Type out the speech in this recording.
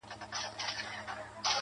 طبله، باجه، منگی، سیتار، رباب، ه یاره.